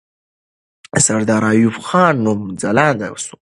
د سردار ایوب خان نوم ځلانده سو.